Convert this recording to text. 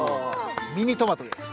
ミニトマトです。